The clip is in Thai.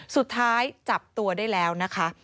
สุดท้ายจับตัวได้แล้วนะคะ